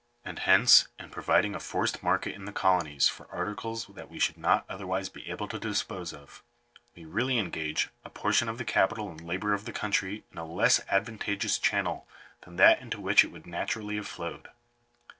And hence, in providing a forced market in the colonies for articles that we should not otherwise be able to dispose of, we really engage a portion of the capital and labour of the country in a less advantageous channel than that into which it would naturally have flowed."